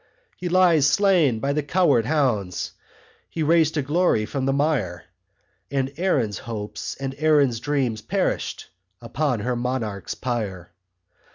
He lies slain by the coward hounds He raised to glory from the mire; And Erin's hopes and Erin's dreams Perish upon her monarch's pyre.